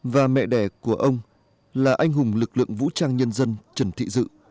và mẹ đẻ của ông là anh hùng lực lượng vũ trang nhân dân trần thị dự